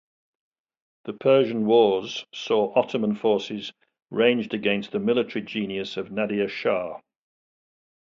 The Persian wars saw Ottoman forces ranged against the military genius of Nadir Shah.